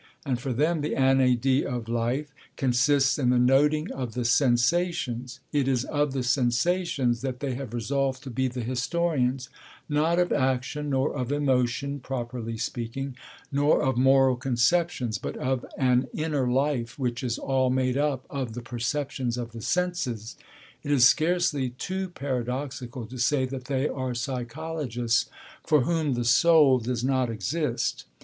And for them the inédit of life consists in the noting of the sensations; it is of the sensations that they have resolved to be the historians; not of action, nor of emotion, properly speaking, nor of moral conceptions, but of an inner life which is all made up of the perceptions of the senses. It is scarcely too paradoxical to say that they are psychologists for whom the soul does not exist.